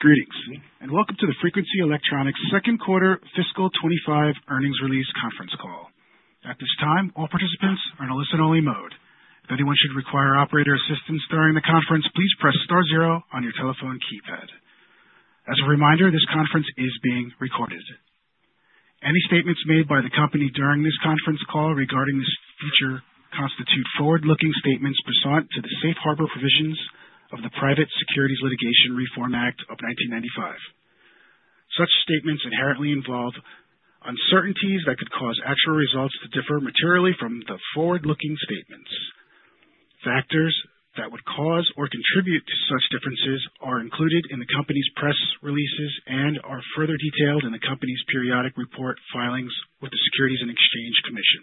Greetings and welcome to the Frequency Electronics second quarter fiscal 2025 earnings release conference call. At this time, all participants are in a listen-only mode. If anyone should require operator assistance during the conference, please press star zero on your telephone keypad. As a reminder, this conference is being recorded. Any statements made by the company during this conference call regarding this feature constitute forward-looking statements subject to the safe harbor provisions of the Private Securities Litigation Reform Act of 1995. Such statements inherently involve uncertainties that could cause actual results to differ materially from the forward-looking statements. Factors that would cause or contribute to such differences are included in the company's press releases and are further detailed in the company's periodic report filings with the Securities and Exchange Commission.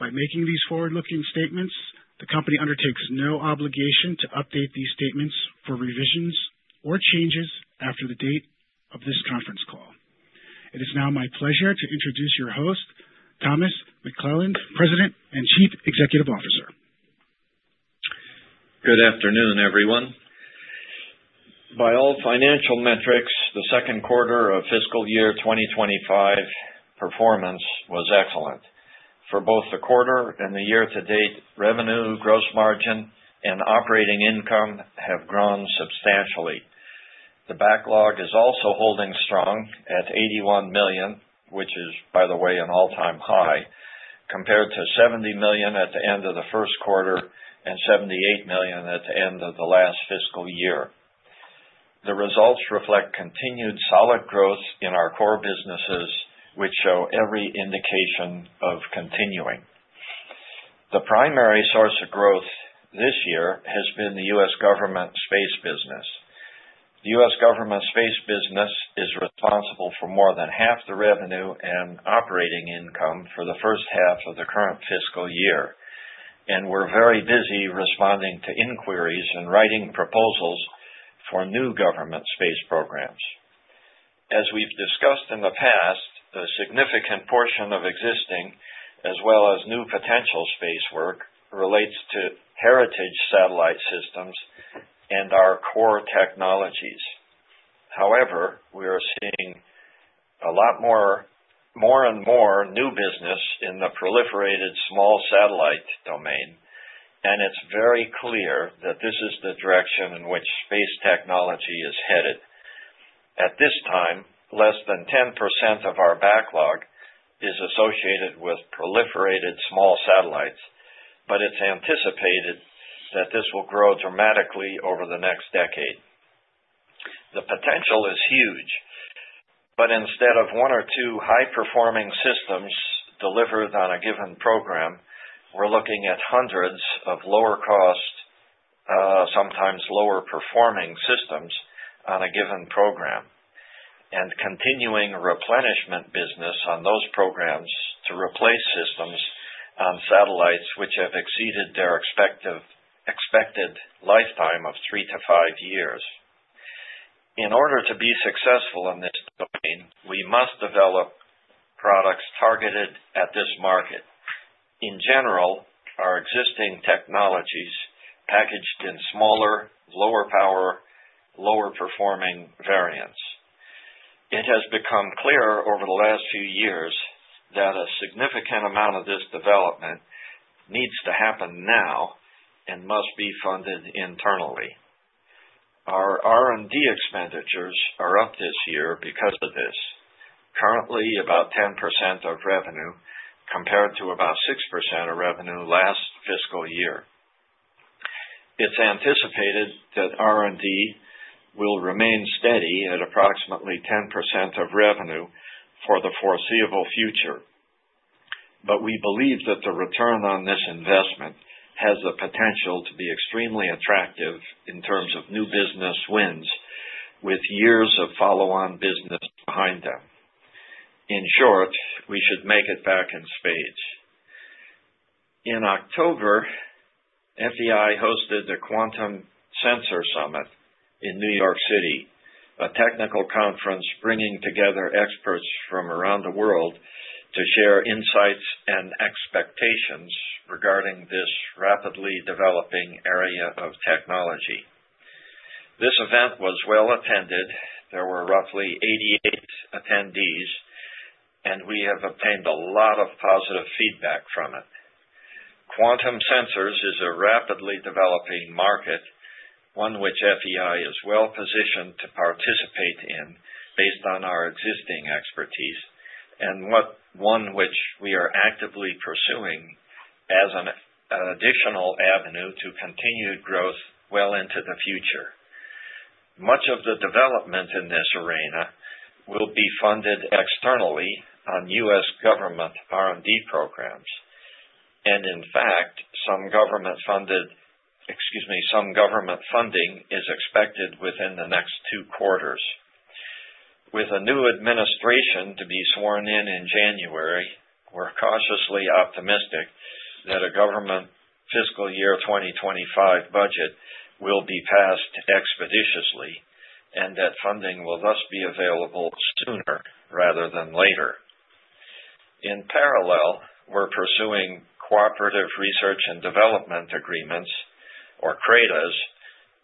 By making these forward-looking statements, the company undertakes no obligation to update these statements for revisions or changes after the date of this conference call. It is now my pleasure to introduce your host, Thomas McClelland, President and Chief Executive Officer. Good afternoon, everyone. By all financial metrics, the second quarter of fiscal year 2025 performance was excellent. For both the quarter and the year to date, revenue, gross margin, and operating income have grown substantially. The backlog is also holding strong at $81 million, which is, by the way, an all-time high, compared to $70 million at the end of the first quarter and $78 million at the end of the last fiscal year. The results reflect continued solid growth in our core businesses, which show every indication of continuing. The primary source of growth this year has been the U.S. government space business. The U.S. government space business is responsible for more than half the revenue and operating income for the first half of the current fiscal year, and we're very busy responding to inquiries and writing proposals for new government space programs. As we've discussed in the past, a significant portion of existing, as well as new potential space work, relates to heritage satellite systems and our core technologies. However, we are seeing a lot more and more new business in the proliferated small satellite domain, and it's very clear that this is the direction in which space technology is headed. At this time, less than 10% of our backlog is associated with proliferated small satellites, but it's anticipated that this will grow dramatically over the next decade. The potential is huge, but instead of one or two high-performing systems delivered on a given program, we're looking at hundreds of lower-cost, sometimes lower-performing systems on a given program, and continuing replenishment business on those programs to replace systems on satellites which have exceeded their expected lifetime of three to five years. In order to be successful in this domain, we must develop products targeted at this market. In general, our existing technologies are packaged in smaller, lower-power, lower-performing variants. It has become clear over the last few years that a significant amount of this development needs to happen now and must be funded internally. Our R&D expenditures are up this year because of this, currently about 10% of revenue compared to about 6% of revenue last fiscal year. It's anticipated that R&D will remain steady at approximately 10% of revenue for the foreseeable future, but we believe that the return on this investment has the potential to be extremely attractive in terms of new business wins with years of follow-on business behind them. In short, we should make it back in spades. In October, FEI hosted the Quantum Sensor Summit in New York City, a technical conference bringing together experts from around the world to share insights and expectations regarding this rapidly developing area of technology. This event was well attended. There were roughly 88 attendees, and we have obtained a lot of positive feedback from it. Quantum sensors is a rapidly developing market, one which FEI is well positioned to participate in based on our existing expertise and one which we are actively pursuing as an additional avenue to continued growth well into the future. Much of the development in this arena will be funded externally on U.S. government R&D programs, and in fact, some government funding is expected within the next two quarters. With a new administration to be sworn in in January, we're cautiously optimistic that a government fiscal year 2025 budget will be passed expeditiously and that funding will thus be available sooner rather than later. In parallel, we're pursuing cooperative research and development agreements, or CRADAs,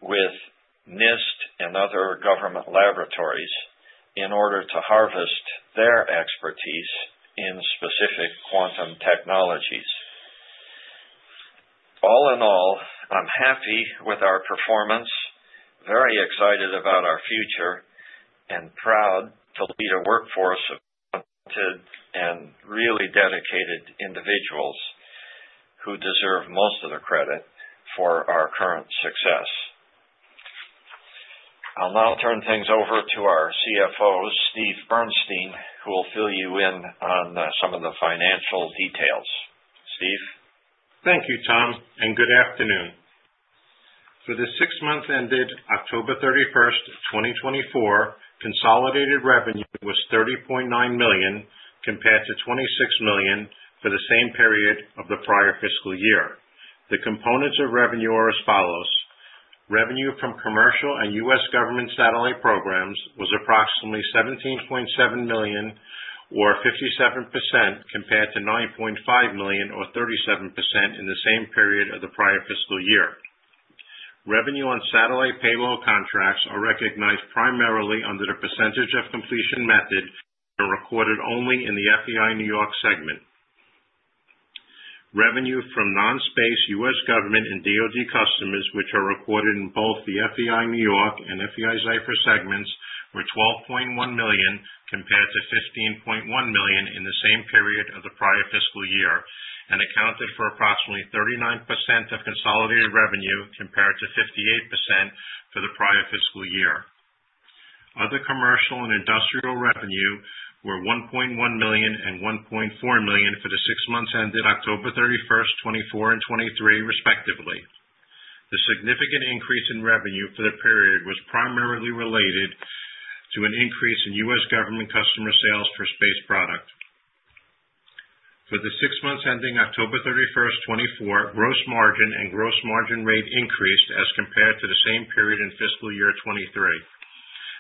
with NIST and other government laboratories in order to harvest their expertise in specific quantum technologies. All in all, I'm happy with our performance, very excited about our future, and proud to lead a workforce of talented and really dedicated individuals who deserve most of the credit for our current success. I'll now turn things over to our CFO, Steve Bernstein, who will fill you in on some of the financial details. Steve. Thank you, Tom, and good afternoon. For the six-month end date of October 31st, 2024, consolidated revenue was $30.9 million compared to $26 million for the same period of the prior fiscal year. The components of revenue are as follows. Revenue from commercial and U.S. government satellite programs was approximately $17.7 million, or 57%, compared to $9.5 million, or 37%, in the same period of the prior fiscal year. Revenue on satellite payload contracts are recognized primarily under the percentage of completion method and recorded only in the FEI New York segment. Revenue from non-space U.S. government and DOD customers, which are recorded in both the FEI New York and FEI-Zyfer segments, were $12.1 million compared to $15.1 million in the same period of the prior fiscal year and accounted for approximately 39% of consolidated revenue compared to 58% for the prior fiscal year. Other commercial and industrial revenue were $1.1 million and $1.4 million for the six months ended October 31st, 2024, and 2023, respectively. The significant increase in revenue for the period was primarily related to an increase in U.S. government customer sales for space product. For the six months ending October 31st, 2024, gross margin and gross margin rate increased as compared to the same period in fiscal year 2023.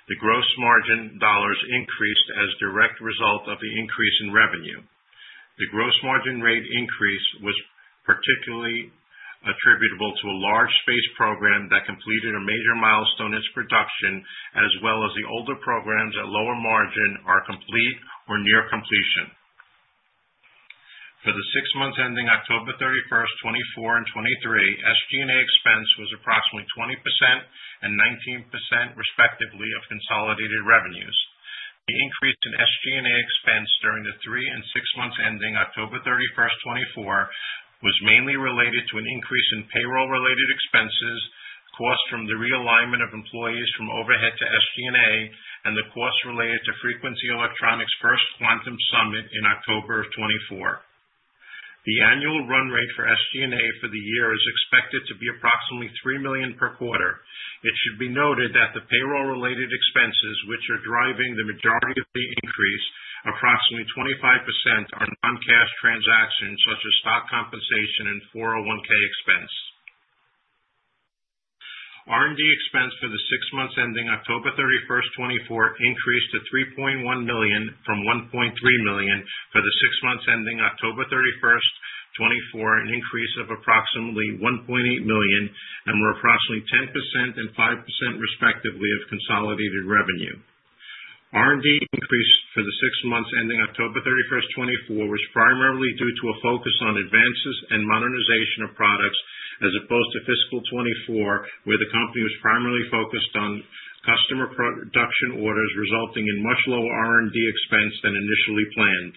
The gross margin dollars increased as a direct result of the increase in revenue. The gross margin rate increase was particularly attributable to a large space program that completed a major milestone in its production, as well as the older programs at lower margin are complete or near completion. For the six months ending October 31st, 2024, and 2023, SG&A expense was approximately 20% and 19%, respectively, of consolidated revenues. The increase in SG&A expense during the three and six months ending October 31st, 2024, was mainly related to an increase in payroll-related expenses caused from the realignment of employees from overhead to SG&A and the costs related to Frequency Electronics' first Quantum Summit in October 2024. The annual run rate for SG&A for the year is expected to be approximately $3 million per quarter. It should be noted that the payroll-related expenses, which are driving the majority of the increase, approximately 25%, are non-cash transactions such as stock compensation and 401(k) expense. R&D expense for the six months ending October 31st, 2024, increased to $3.1 million from $1.3 million for the six months ending October 31st, 2024, an increase of approximately $1.8 million, and were approximately 10% and 5%, respectively, of consolidated revenue. R&D increase for the six months ending October 31st, 2024, was primarily due to a focus on advances and modernization of products as opposed to fiscal 2024, where the company was primarily focused on customer production orders, resulting in much lower R&D expense than initially planned.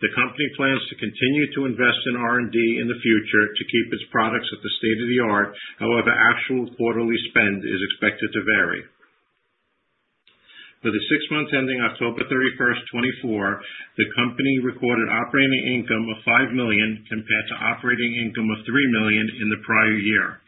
The company plans to continue to invest in R&D in the future to keep its products at the state of the art. However, actual quarterly spend is expected to vary. For the six months ending October 31st, 2024, the company recorded operating income of $5 million compared to operating income of $3 million in the prior year.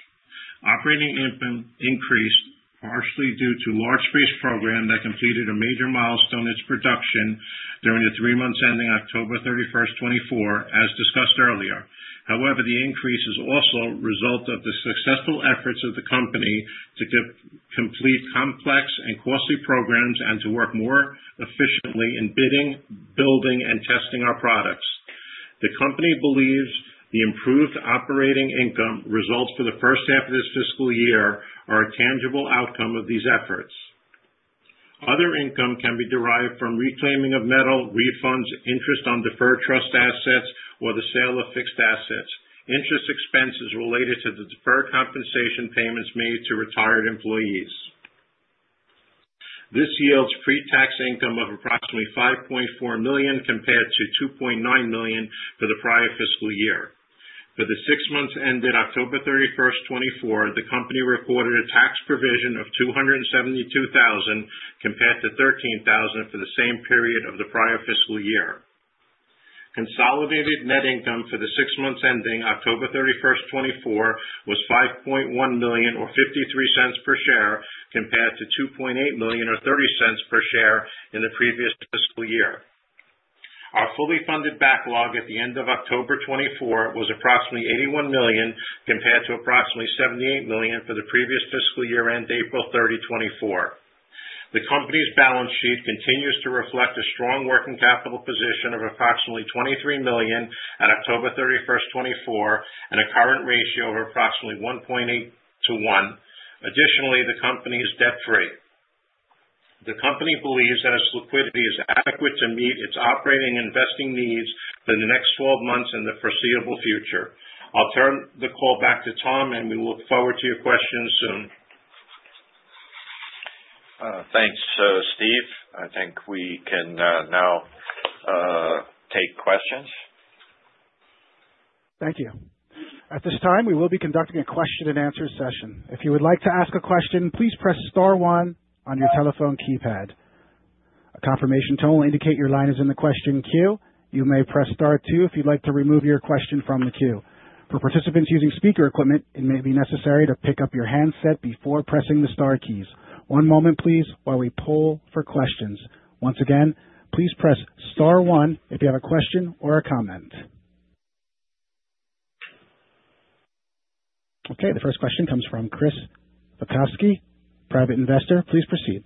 Operating income increased partially due to a large space program that completed a major milestone in its production during the three months ending October 31st, 2024, as discussed earlier. However, the increase is also a result of the successful efforts of the company to complete complex and costly programs and to work more efficiently in bidding, building, and testing our products. The company believes the improved operating income results for the first half of this fiscal year are a tangible outcome of these efforts. Other income can be derived from reclaiming of metal, refunds, interest on deferred trust assets, or the sale of fixed assets. Interest expenses related to the deferred compensation payments made to retired employees. This yields pre-tax income of approximately $5.4 million compared to $2.9 million for the prior fiscal year. For the six months ended October 31st, 2024, the company recorded a tax provision of $272,000 compared to $13,000 for the same period of the prior fiscal year. Consolidated net income for the six months ending October 31st, 2024, was $5.1 million, or $0.53 per share, compared to $2.8 million, or $0.30 per share in the previous fiscal year. Our fully funded backlog at the end of October 2024 was approximately $81 million compared to approximately $78 million for the previous fiscal year ended April 30, 2024. The company's balance sheet continues to reflect a strong working capital position of approximately $23 million at October 31st, 2024, and a current ratio of approximately 1.8 to 1. Additionally, the company is debt-free. The company believes that its liquidity is adequate to meet its operating investing needs for the next 12 months in the foreseeable future. I'll turn the call back to Tom, and we look forward to your questions soon. Thanks, Steve. I think we can now take questions. Thank you. At this time, we will be conducting a question-and-answer session. If you would like to ask a question, please press star one on your telephone keypad. A confirmation tone will indicate your line is in the question queue. You may press star two if you'd like to remove your question from the queue. For participants using speaker equipment, it may be necessary to pick up your handset before pressing the star keys. One moment, please, while we poll for questions. Once again, please press star one if you have a question or a comment. Okay. The first question comes from Chris Witkowski, private investor. Please proceed.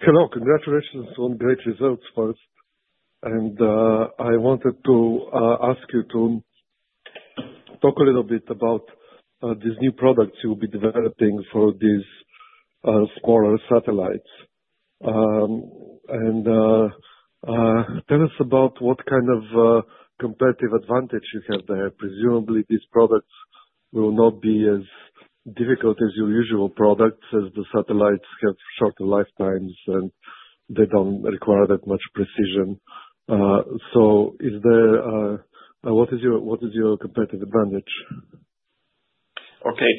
Hello. Congratulations on great results, first. And I wanted to ask you to talk a little bit about these new products you'll be developing for these smaller satellites. And tell us about what kind of competitive advantage you have there. Presumably, these products will not be as difficult as your usual products as the satellites have shorter lifetimes, and they don't require that much precision. So what is your competitive advantage? Okay.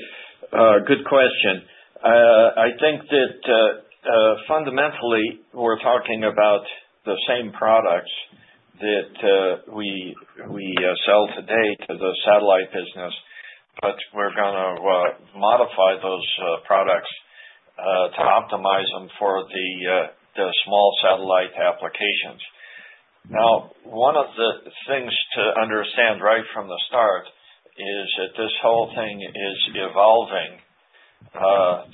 Good question. I think that fundamentally, we're talking about the same products that we sell today to the satellite business, but we're going to modify those products to optimize them for the small satellite applications. Now, one of the things to understand right from the start is that this whole thing is evolving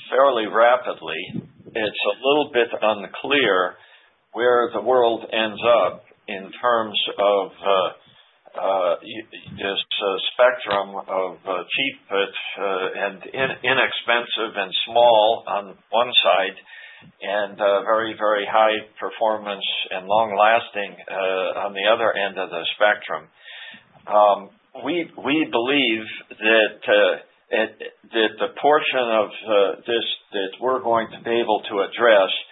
fairly rapidly. It's a little bit unclear where the world ends up in terms of this spectrum of cheap and inexpensive and small on one side and very, very high performance and long-lasting on the other end of the spectrum. We believe that the portion of this that we're going to be able to address is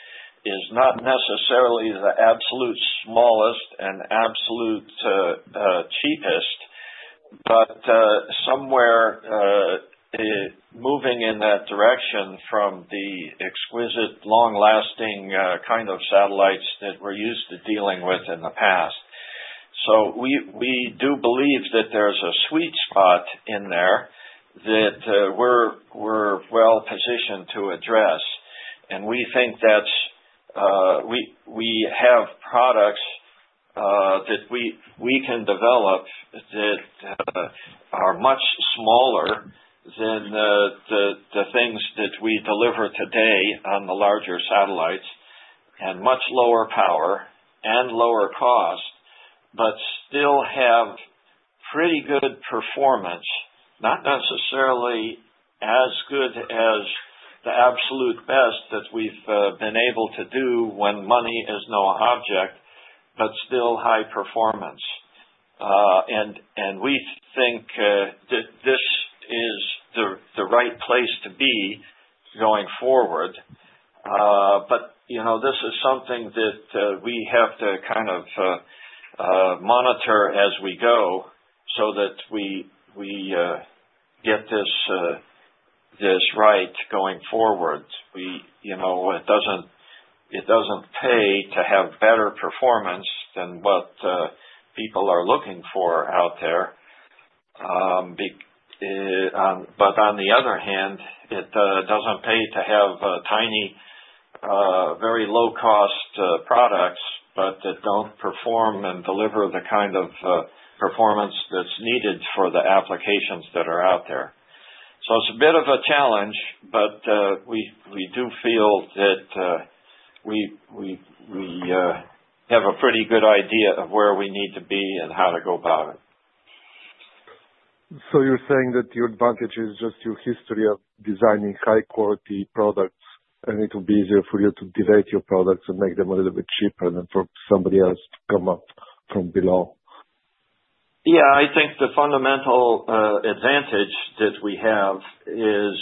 not necessarily the absolute smallest and absolute cheapest, but somewhere moving in that direction from the exquisite long-lasting kind of satellites that we're used to dealing with in the past. So we do believe that there's a sweet spot in there that we're well positioned to address. And we think that we have products that we can develop that are much smaller than the things that we deliver today on the larger satellites and much lower power and lower cost, but still have pretty good performance, not necessarily as good as the absolute best that we've been able to do when money is no object, but still high performance. And we think that this is the right place to be going forward. But this is something that we have to kind of monitor as we go so that we get this right going forward. It doesn't pay to have better performance than what people are looking for out there. On the other hand, it doesn't pay to have tiny, very low-cost products that don't perform and deliver the kind of performance that's needed for the applications that are out there. It's a bit of a challenge, but we do feel that we have a pretty good idea of where we need to be and how to go about it. So you're saying that your advantage is just your history of designing high-quality products, and it will be easier for you to iterate your products and make them a little bit cheaper than for somebody else to come up from below? Yeah. I think the fundamental advantage that we have is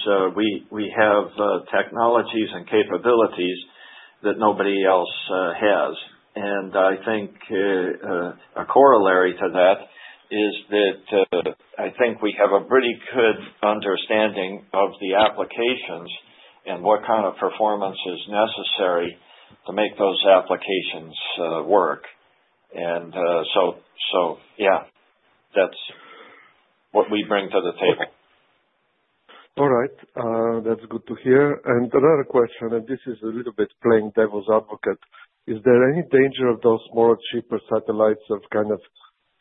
we have technologies and capabilities that nobody else has. And I think a corollary to that is that I think we have a pretty good understanding of the applications and what kind of performance is necessary to make those applications work. And so, yeah, that's what we bring to the table. All right. That's good to hear. And another question, and this is a little bit playing devil's advocate. Is there any danger of those smaller cheaper satellites of kind of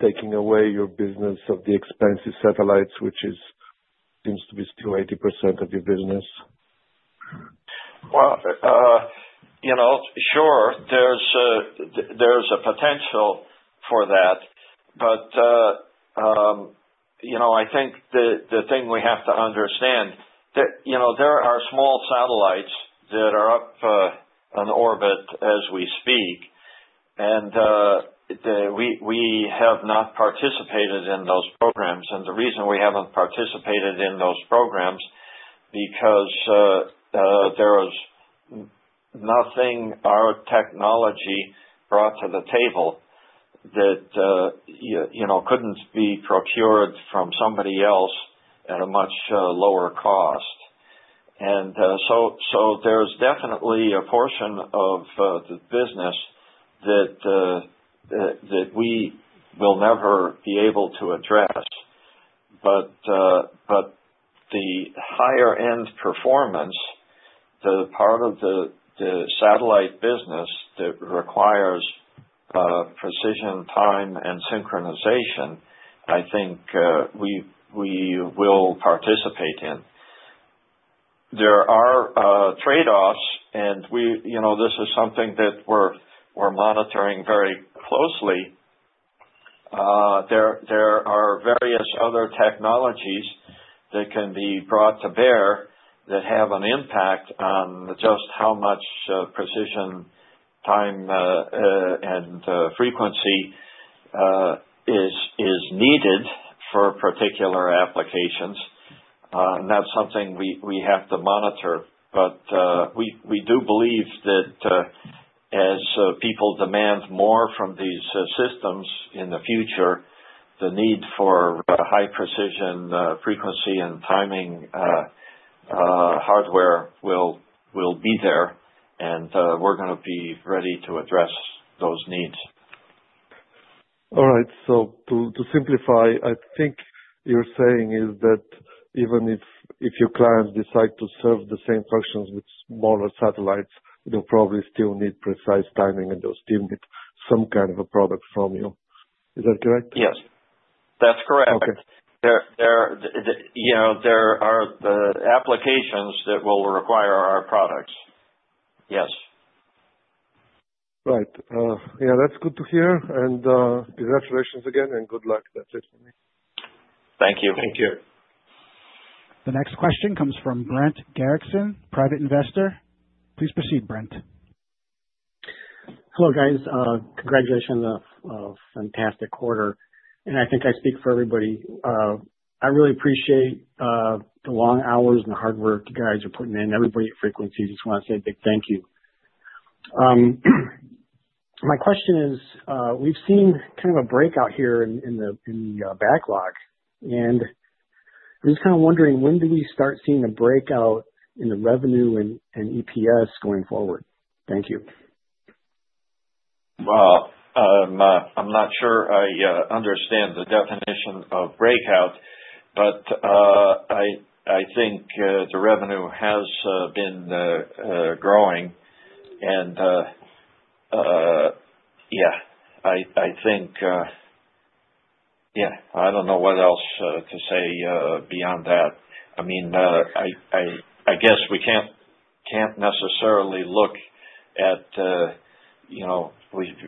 taking away your business of the expensive satellites, which seems to be still 80% of your business? Sure, there's a potential for that. But I think the thing we have to understand is that there are small satellites that are up in orbit as we speak, and we have not participated in those programs. And the reason we haven't participated in those programs is because there was nothing our technology brought to the table that couldn't be procured from somebody else at a much lower cost. And so there's definitely a portion of the business that we will never be able to address. But the higher-end performance, the part of the satellite business that requires precision, time, and synchronization, I think we will participate in. There are trade-offs, and this is something that we're monitoring very closely. There are various other technologies that can be brought to bear that have an impact on just how much precision, time, and frequency is needed for particular applications. And that's something we have to monitor. But we do believe that as people demand more from these systems in the future, the need for high precision, frequency, and timing hardware will be there, and we're going to be ready to address those needs. All right. So to simplify, I think you're saying is that even if your clients decide to serve the same functions with smaller satellites, they'll probably still need precise timing, and they'll still need some kind of a product from you. Is that correct? Yes. That's correct. There are applications that will require our products. Yes. Right. Yeah. That's good to hear. And congratulations again, and good luck. That's it for me. Thank you. Thank you. The next question comes from Brent Gerritsen, private investor. Please proceed, Brent. Hello, guys. Congratulations on a fantastic quarter, and I think I speak for everybody. I really appreciate the long hours and the hard work you guys are putting in. Everybody at Frequency just wants to say a big thank you. My question is, we've seen kind of a breakout here in the backlog, and I'm just kind of wondering, when do we start seeing a breakout in the revenue and EPS going forward? Thank you. I'm not sure I understand the definition of breakout, but I think the revenue has been growing. Yeah, I think, yeah, I don't know what else to say beyond that. I mean, I guess we can't necessarily look at it.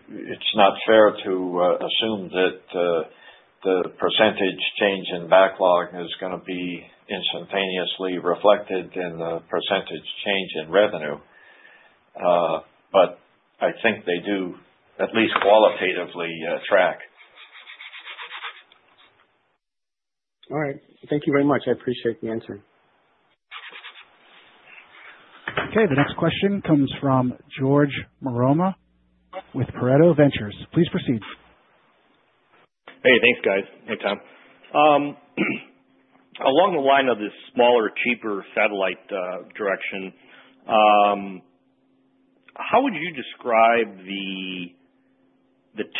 It's not fair to assume that the percentage change in backlog is going to be instantaneously reflected in the percentage change in revenue. But I think they do, at least qualitatively, track. All right. Thank you very much. I appreciate the answer. Okay. The next question comes from George Marema with Pareto Ventures. Please proceed. Hey, thanks, guys. Hey, Tom. Along the line of this smaller, cheaper satellite direction, how would you describe the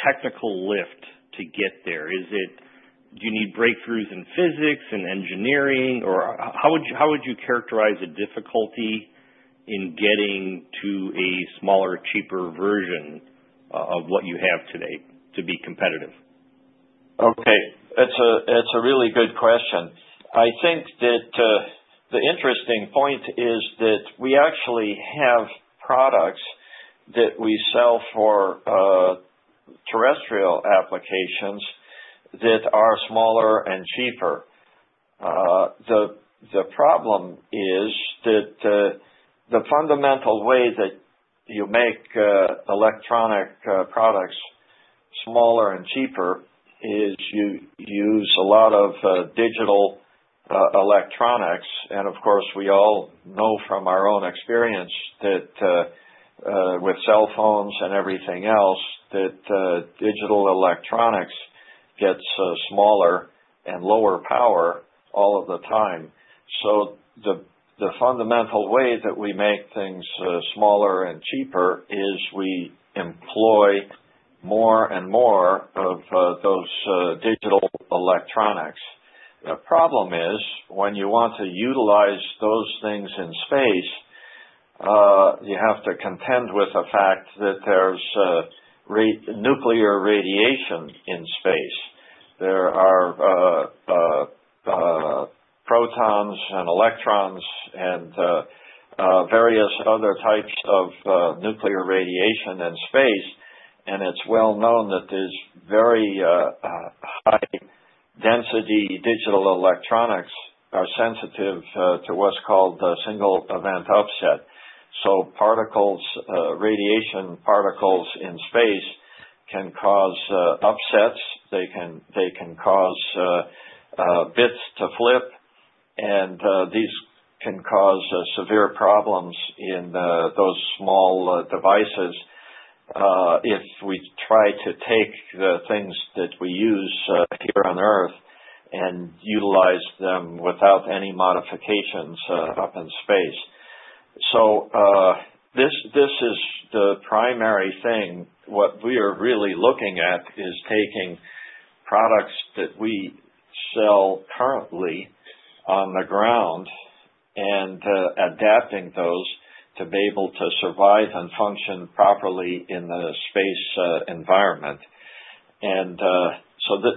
technical lift to get there? Do you need breakthroughs in physics and engineering, or how would you characterize a difficulty in getting to a smaller, cheaper version of what you have today to be competitive? Okay. That's a really good question. I think that the interesting point is that we actually have products that we sell for terrestrial applications that are smaller and cheaper. The problem is that the fundamental way that you make electronic products smaller and cheaper is you use a lot of digital electronics. And of course, we all know from our own experience that with cell phones and everything else, that digital electronics get smaller and lower power all of the time. So the fundamental way that we make things smaller and cheaper is we employ more and more of those digital electronics. The problem is when you want to utilize those things in space, you have to contend with the fact that there's nuclear radiation in space. There are protons and electrons and various other types of nuclear radiation in space. It's well known that there's very high-density digital electronics that are sensitive to what's called single-event upset. Radiation particles in space can cause upsets. They can cause bits to flip, and these can cause severe problems in those small devices if we try to take the things that we use here on Earth and utilize them without any modifications up in space. This is the primary thing. What we are really looking at is taking products that we sell currently on the ground and adapting those to be able to survive and function properly in the space environment.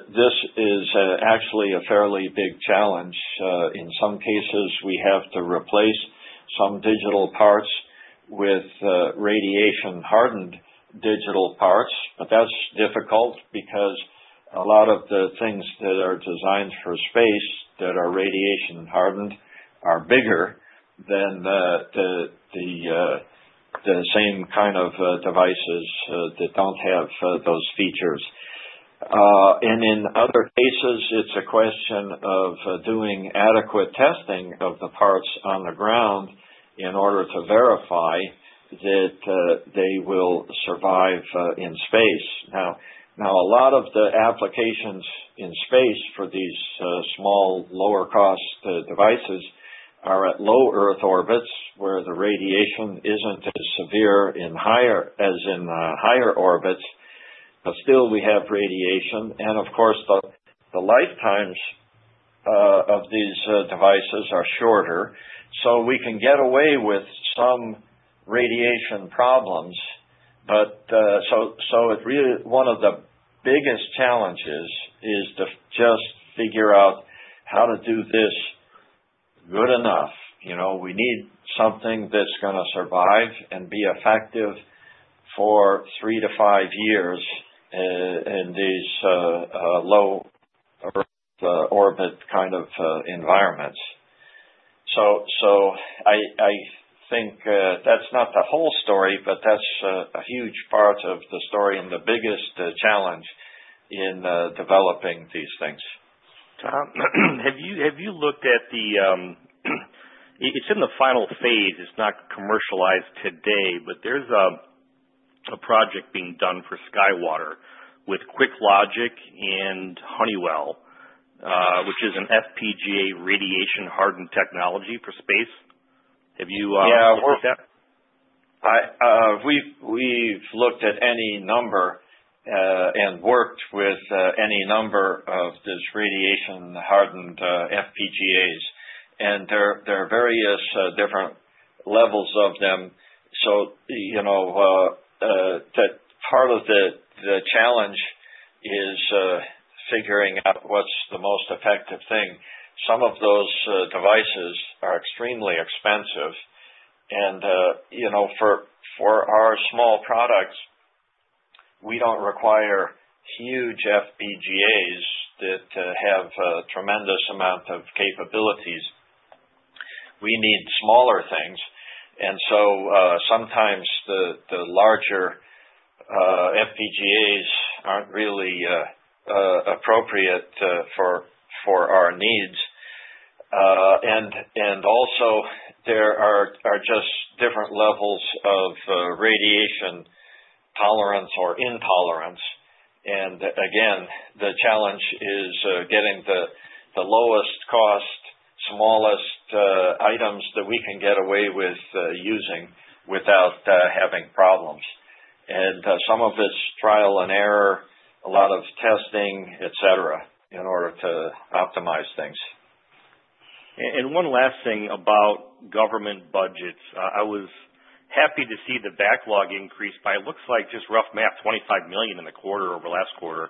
This is actually a fairly big challenge. In some cases, we have to replace some digital parts with radiation-hardened digital parts. But that's difficult because a lot of the things that are designed for space that are radiation-hardened are bigger than the same kind of devices that don't have those features. And in other cases, it's a question of doing adequate testing of the parts on the ground in order to verify that they will survive in space. Now, a lot of the applications in space for these small, lower-cost devices are at low-Earth orbits, where the radiation isn't as severe as in the higher orbits. But still, we have radiation. And of course, the lifetimes of these devices are shorter. So we can get away with some radiation problems. So one of the biggest challenges is to just figure out how to do this good enough. We need something that's going to survive and be effective for three to five years in these low-Earth orbit kind of environments. So I think that's not the whole story, but that's a huge part of the story and the biggest challenge in developing these things. Tom, have you looked at the. It's in the final phase. It's not commercialized today, but there's a project being done for SkyWater with QuickLogic and Honeywell, which is an FPGA radiation-hardened technology for space. Have you looked at that? Yeah. We've looked at any number and worked with any number of these radiation-hardened FPGAs. And there are various different levels of them. So part of the challenge is figuring out what's the most effective thing. Some of those devices are extremely expensive. And for our small products, we don't require huge FPGAs that have a tremendous amount of capabilities. We need smaller things. And so sometimes the larger FPGAs aren't really appropriate for our needs. And also, there are just different levels of radiation tolerance or intolerance. And again, the challenge is getting the lowest-cost, smallest items that we can get away with using without having problems. And some of it's trial and error, a lot of testing, etc., in order to optimize things. One last thing about government budgets. I was happy to see the backlog increase by, it looks like just rough math, $25 million in the quarter over last quarter.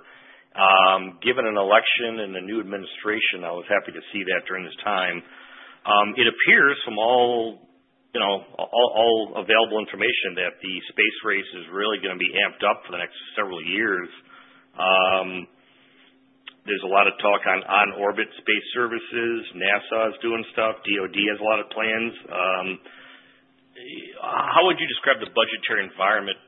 Given an election and a new administration, I was happy to see that during this time. It appears, from all available information, that the space race is really going to be amped up for the next several years. There's a lot of talk on orbit space services. NASA is doing stuff. DOD has a lot of plans. How would you describe the budgetary environment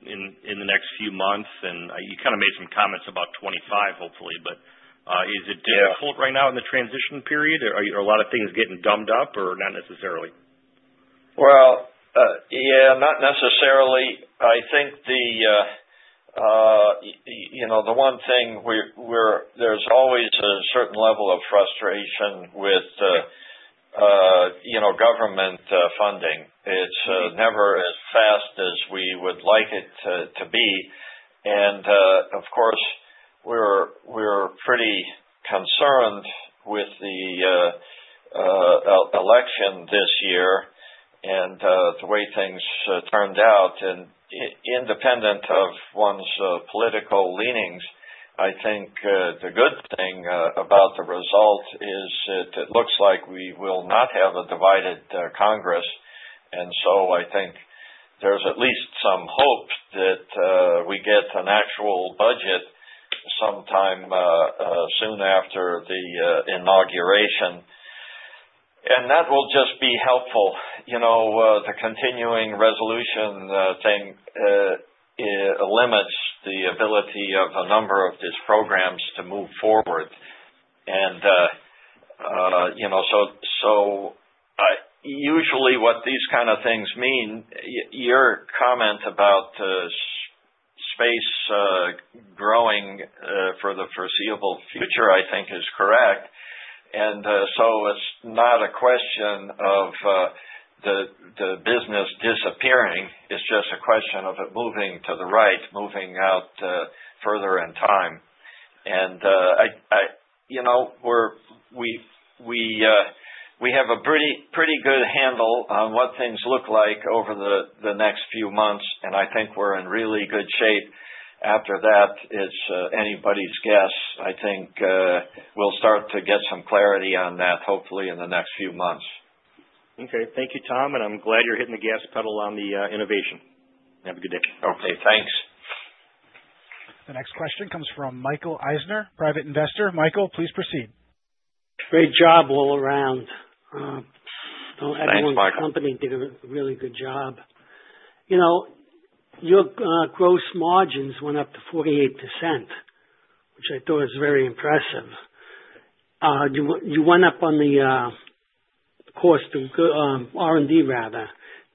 in the next few months? You kind of made some comments about 25, hopefully. Is it difficult right now in the transition period? Are a lot of things getting gummed up or not necessarily? Well, yeah, not necessarily. I think the one thing where there's always a certain level of frustration with government funding. It's never as fast as we would like it to be. And of course, we're pretty concerned with the election this year and the way things turned out. And independent of one's political leanings, I think the good thing about the result is that it looks like we will not have a divided Congress. And so I think there's at least some hope that we get an actual budget sometime soon after the inauguration. And that will just be helpful. The continuing resolution thing limits the ability of a number of these programs to move forward. And so usually what these kind of things mean, your comment about space growing for the foreseeable future, I think, is correct. And so it's not a question of the business disappearing. It's just a question of it moving to the right, moving out further in time. And we have a pretty good handle on what things look like over the next few months. And I think we're in really good shape after that. It's anybody's guess. I think we'll start to get some clarity on that, hopefully, in the next few months. Okay. Thank you, Tom. And I'm glad you're hitting the gas pedal on the innovation. Have a good day. Okay. Thanks. The next question comes from Michael Eisner, private investor. Michael, please proceed. Great job all around. Everyone at the company did a really good job. Your gross margins went up to 48%, which I thought was very impressive. You went up on the cost of R&D, rather.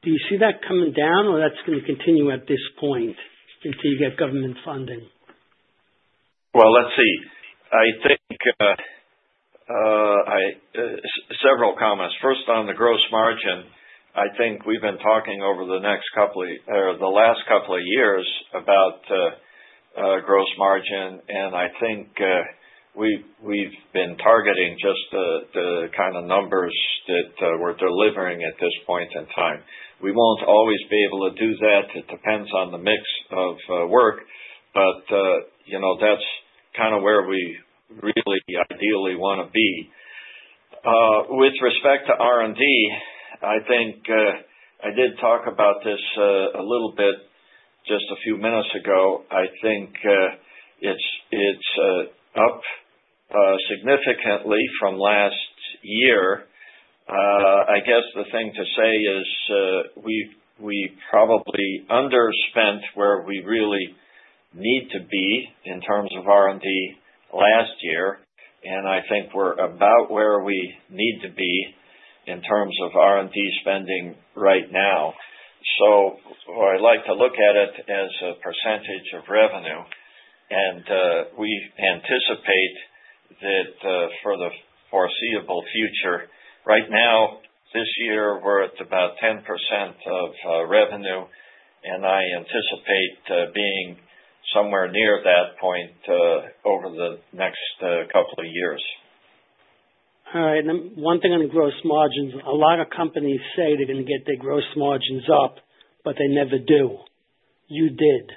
Do you see that coming down, or that's going to continue at this point until you get government funding? Let's see. I think several comments. First, on the gross margin, I think we've been talking over the last couple of years about gross margin. I think we've been targeting just the kind of numbers that we're delivering at this point in time. We won't always be able to do that. It depends on the mix of work. But that's kind of where we really ideally want to be. With respect to R&D, I think I did talk about this a little bit just a few minutes ago. I think it's up significantly from last year. I guess the thing to say is we probably underspent where we really need to be in terms of R&D last year. I think we're about where we need to be in terms of R&D spending right now. I like to look at it as a percentage of revenue. We anticipate that for the foreseeable future. Right now, this year, we're at about 10% of revenue. I anticipate being somewhere near that point over the next couple of years. All right. One thing on the gross margins. A lot of companies say they're going to get their gross margins up, but they never do. You did.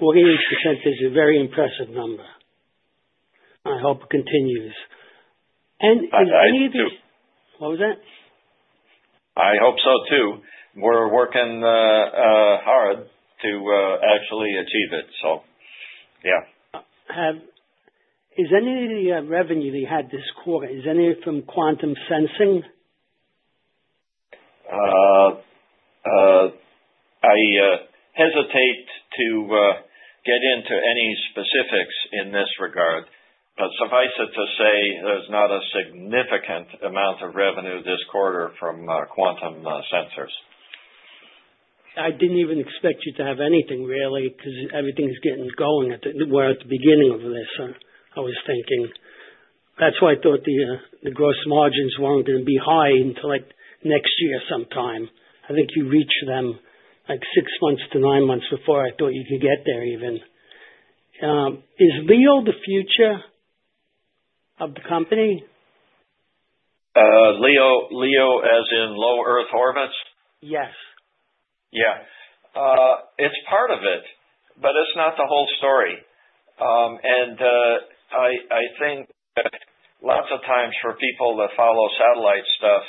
48% is a very impressive number. I hope it continues. And any of these— I hope so too. What was that? I hope so too. We're working hard to actually achieve it. So yeah. Is any of the revenue that you had this quarter, is any of it from quantum sensing? I hesitate to get into any specifics in this regard, but suffice it to say, there's not a significant amount of revenue this quarter from quantum sensors. I didn't even expect you to have anything, really, because everything's getting going at the beginning of this, I was thinking. That's why I thought the gross margins weren't going to be high until next year sometime. I think you reached them like six months to nine months before I thought you could get there even. Is LEO the future of the company? LEO, as in Low Earth Orbits? Yes. Yeah. It's part of it, but it's not the whole story, and I think lots of times for people that follow satellite stuff,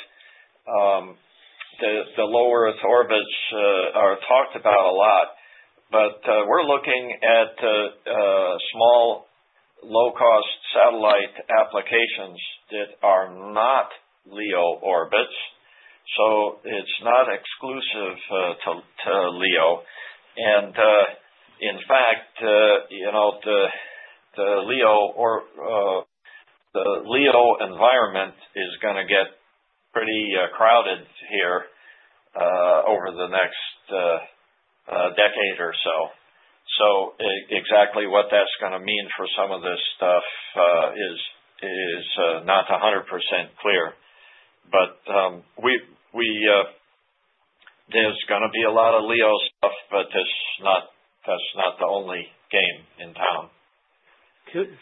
the low Earth orbits are talked about a lot, but we're looking at small, low-cost satellite applications that are not LEO orbits, so it's not exclusive to LEO, and in fact, the LEO environment is going to get pretty crowded here over the next decade or so, so exactly what that's going to mean for some of this stuff is not 100% clear, but there's going to be a lot of LEO stuff, but that's not the only game in town.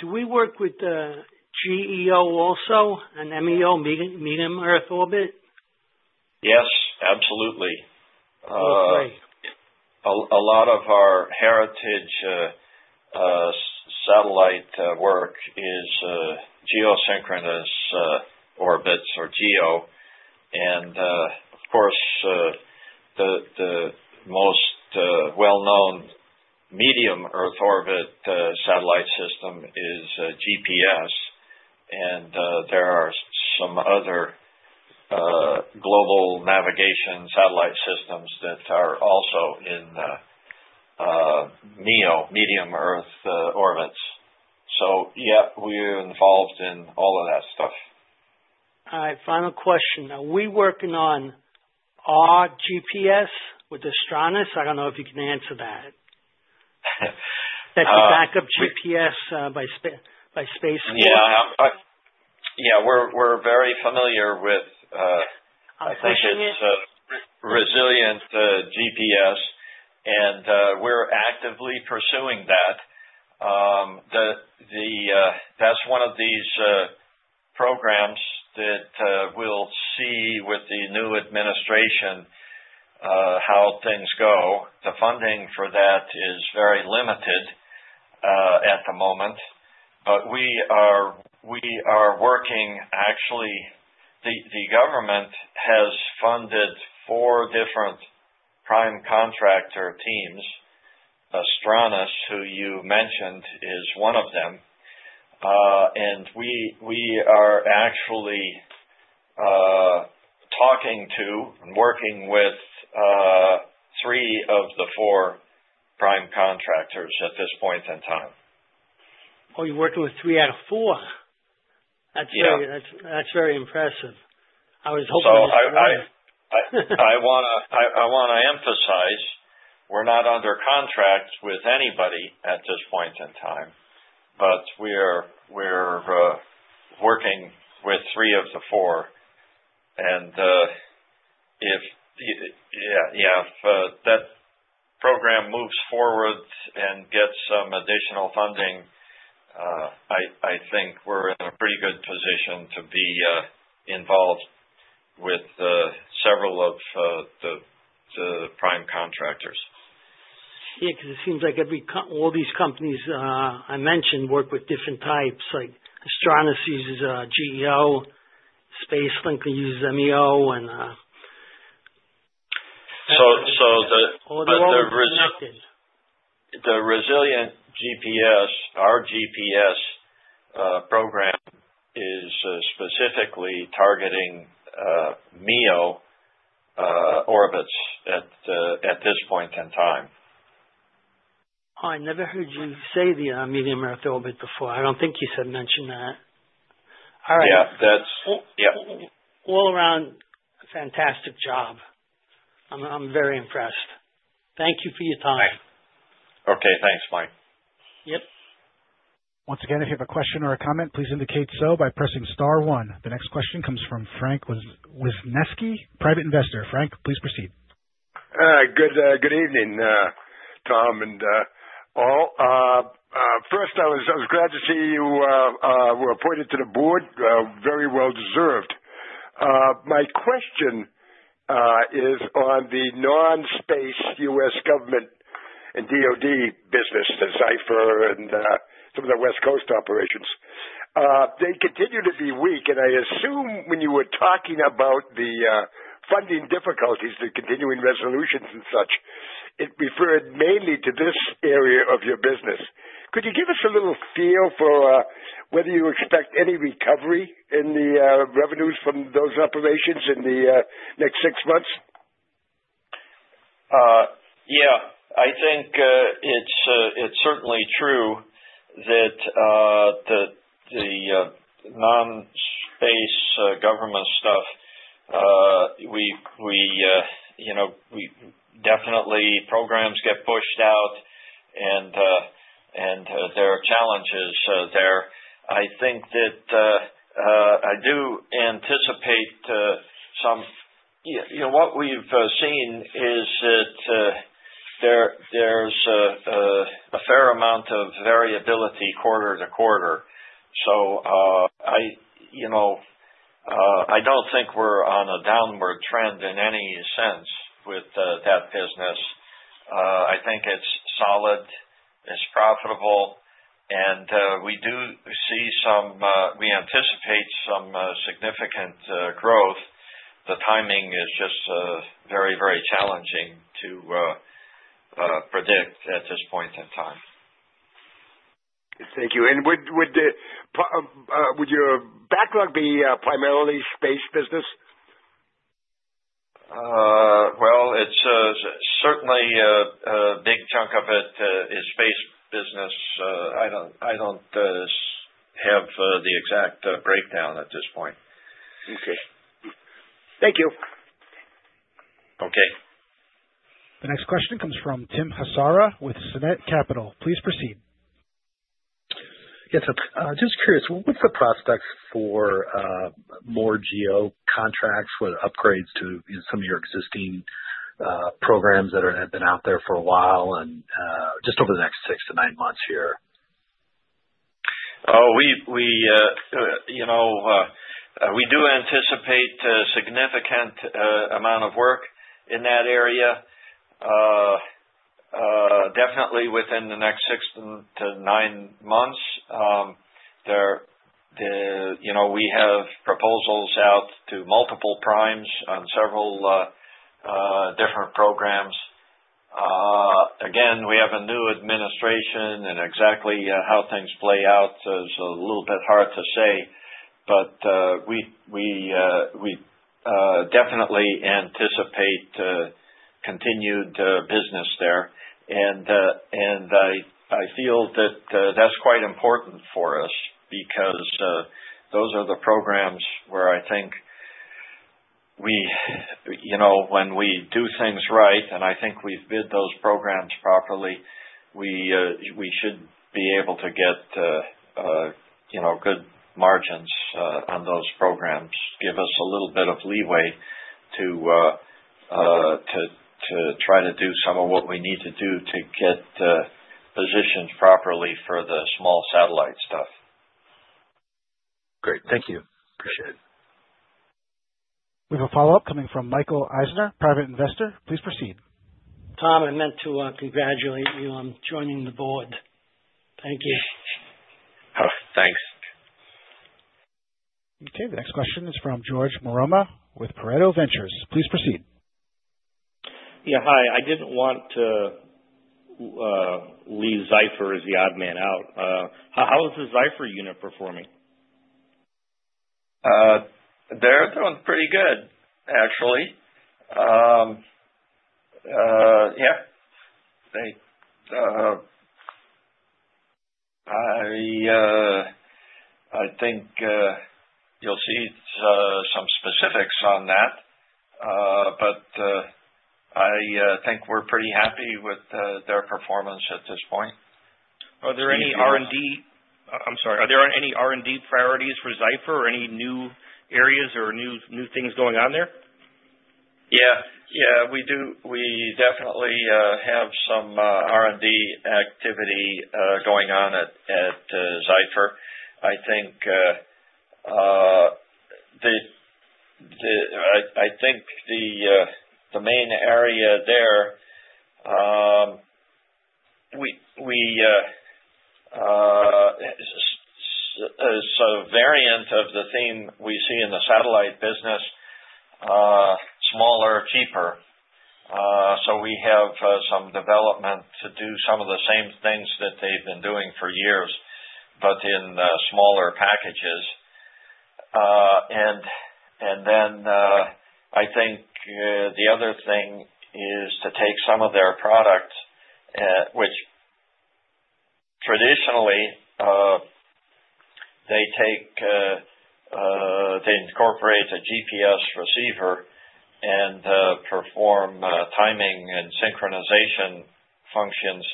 Do we work with GEO also and MEO, Medium Earth orbit? Yes, absolutely. What way? A lot of our heritage satellite work is geosynchronous orbits or GEO. And of course, the most well-known Medium Earth Orbit satellite system is GPS. And there are some other global navigation satellite systems that are also in MEO, Medium Earth Orbits. So yeah, we're involved in all of that stuff. All right. Final question. Are we working on R-GPS with Astranis? I don't know if you can answer that. That's a backup GPS by Space Force. Yeah. Yeah. We're very familiar with. I'll touch on this. I think it's a resilient GPS. We're actively pursuing that. That's one of these programs that we'll see with the new administration how things go. The funding for that is very limited at the moment. We are working, actually. The government has funded four different prime contractor teams. Astranis, who you mentioned, is one of them. We are actually talking to and working with three of the four prime contractors at this point in time. Oh, you're working with three out of four? Yeah. That's very impressive. I was hoping to see. So I want to emphasize we're not under contract with anybody at this point in time. But we're working with three of the four. And if that program moves forward and gets some additional funding, I think we're in a pretty good position to be involved with several of the prime contractors. Yeah. Because it seems like all these companies I mentioned work with different types. Astranis uses GEO. SpaceLink uses MEO. And. So the. All the resilient. The Resilient GPS, R-GPS program is specifically targeting MEO orbits at this point in time. I never heard you say the Medium Earth Orbit before. I don't think you mentioned that. All right. Yeah. That's. All around, fantastic job. I'm very impressed. Thank you for your time. Okay. Thanks, Mike. Yep. Once again, if you have a question or a comment, please indicate so by pressing star one. The next question comes from Frank Wisneski, private investor. Frank, please proceed. Good evening, Tom and all. First, I was glad to see you were appointed to the board. Very well deserved. My question is on the non-space U.S. government and DOD business, the Zyfer and some of the West Coast operations. They continue to be weak. And I assume when you were talking about the funding difficulties, the continuing resolutions and such, it referred mainly to this area of your business. Could you give us a little feel for whether you expect any recovery in the revenues from those operations in the next six months? Yeah. I think it's certainly true that the non-space government stuff, we definitely programs get pushed out, and there are challenges there. I think that I do anticipate some, what we've seen is that there's a fair amount of variability quarter to quarter. So I don't think we're on a downward trend in any sense with that business. I think it's solid. It's profitable, and we do see some, we anticipate some significant growth. The timing is just very, very challenging to predict at this point in time. Thank you. And would your backlog be primarily space business? Certainly, a big chunk of it is space business. I don't have the exact breakdown at this point. Okay. Thank you. Okay. The next question comes from Tim Hasara with Sinnet Capital. Please proceed. Yes, sir. Just curious, what's the prospects for more GEO contracts with upgrades to some of your existing programs that have been out there for a while and just over the next six to nine months here? Oh, we do anticipate a significant amount of work in that area, definitely within the next six to nine months. We have proposals out to multiple primes on several different programs. Again, we have a new administration. And exactly how things play out is a little bit hard to say. But we definitely anticipate continued business there. And I feel that that's quite important for us because those are the programs where I think when we do things right, and I think we've bid those programs properly, we should be able to get good margins on those programs, give us a little bit of leeway to try to do some of what we need to do to get positioned properly for the small satellite stuff. Great. Thank you. Appreciate it. We have a follow-up coming from Michael Eisner, private investor. Please proceed. Tom, I meant to congratulate you on joining the board. Thank you. Thanks. Okay. The next question is from George Marema with Pareto Ventures. Please proceed. Yeah. Hi. I didn't want to leave Zyfer as the odd man out. How is the Zyfer unit performing? They're doing pretty good, actually. Yeah. I think you'll see some specifics on that. But I think we're pretty happy with their performance at this point. Are there any R&D? I'm sorry. Are there any R&D priorities for Zyfer or any new areas or new things going on there? Yeah. Yeah. We definitely have some R&D activity going on at Zyfer. I think the main area there, it's a variant of the theme we see in the satellite business, smaller, cheaper. So we have some development to do some of the same things that they've been doing for years, but in smaller packages. And then I think the other thing is to take some of their products, which traditionally they incorporate a GPS receiver and perform timing and synchronization functions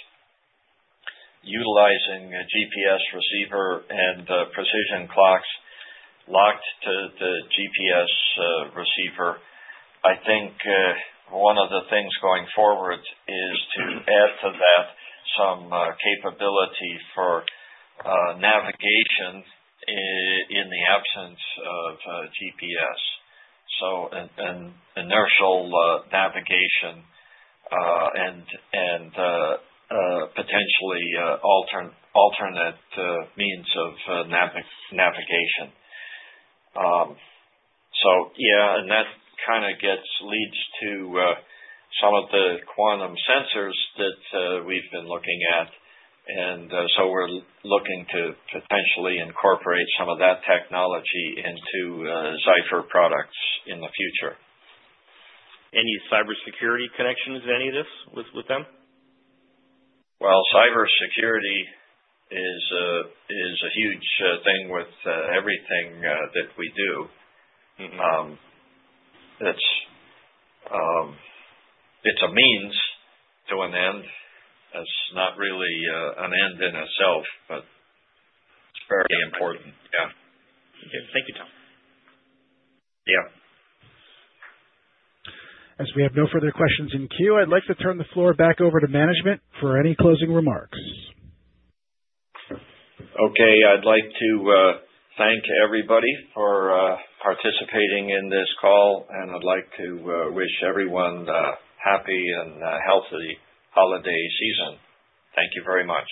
utilizing a GPS receiver and precision clocks locked to the GPS receiver. I think one of the things going forward is to add to that some capability for navigation in the absence of GPS, so inertial navigation and potentially alternate means of navigation. So yeah. That kind of leads to some of the quantum sensors that we've been looking at. We're looking to potentially incorporate some of that technology into Zyfer products in the future. Any cybersecurity connections in any of this with them? Cybersecurity is a huge thing with everything that we do. It's a means to an end. It's not really an end in itself, but it's very important. Yeah. Thank you, Tom. Yeah. As we have no further questions in queue, I'd like to turn the floor back over to management for any closing remarks. Okay. I'd like to thank everybody for participating in this call, and I'd like to wish everyone a happy and healthy holiday season. Thank you very much.